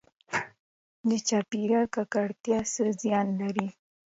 د چاپیریال ککړتیا څه زیان لري؟